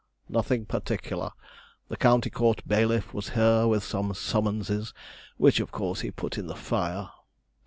'Nothing particular. The County Court bailiff was here with some summonses, which, of course, he put in the fire.'